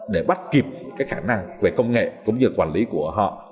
để bắt kịp cái khả năng về công nghệ cũng như quản lý của họ